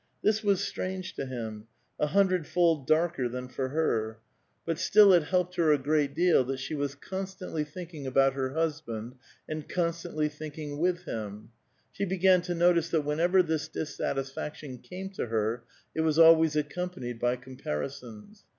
This was strange to him, a hundred fold darker than for her ; but still 846 A VITAL QUESTION. it helloed her a great deal that she was constantly thinking alK>ut her hasband and constantly thinking with him. She l)egan to notice that whenever this dissatisfaction came to her, it was always accompanied by comparisons.